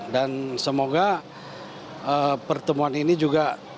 dan semoga pertemuan ini juga